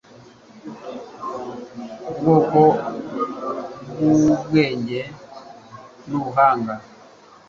ubwoko bw'ubwenge n'ubuhanga